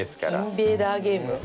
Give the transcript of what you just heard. インベーダーゲーム？